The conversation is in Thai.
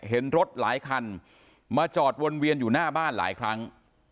เห็นรถหลายคันมาจอดวนเวียนอยู่หน้าบ้านหลายครั้ง